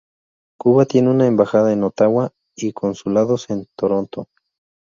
Cuba tiene una embajada en Ottawa y consulados en Toronto.